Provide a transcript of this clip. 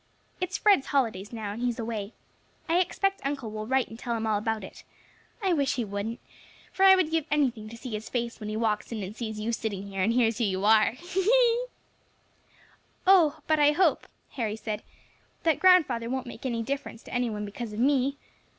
It's Fred's holidays now, and he is away; I expect uncle will write and tell him all about it. I wish he wouldn't, for I would give anything to see his face when he walks in and sees you sitting here and hears who you are." "Oh! but I hope," Harry said, "that grandfather won't make any difference to any one because of me.